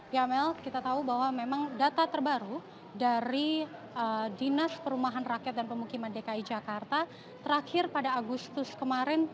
ya amel kita tahu bahwa memang data terbaru dari dinas perumahan rakyat dan pemukiman dki jakarta terakhir pada agustus kemarin